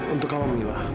untuk apa mila